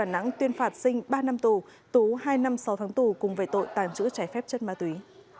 nắng tuyên phạt sinh ba năm tù tú hai năm sáu tháng tù cùng về tội tàn trữ trái phép chất ma túy